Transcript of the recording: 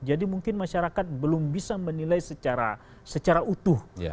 jadi mungkin masyarakat belum bisa menilai secara utuh